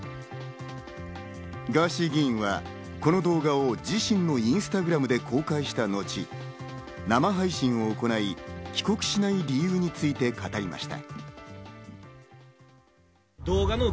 ガーシー議員は、この動画を自身のインスタグラムで公開した後、生配信を行い、帰国しない理由について語りました。